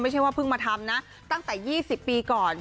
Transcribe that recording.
ไม่ใช่ว่าเพิ่งมาทำนะตั้งแต่๒๐ปีก่อน